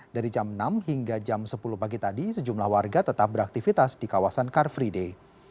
dari jam enam hingga jam sepuluh pagi tadi sejumlah warga tetap beraktivitas di kawasan car free day